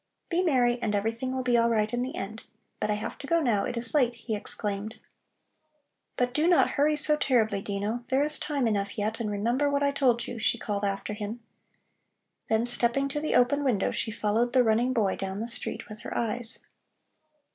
Be merry and everything will be all right in the end. But I have to go now, it is late," he exclaimed. "But do not hurry so terribly, Dino, there is time enough yet, and remember what I told you," she called after him. Then stepping to the open window, she followed the running boy down the street with her eyes.